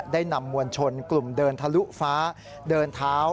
นำมวลชนกลุ่มเดินทะลุฟ้าเดินเท้า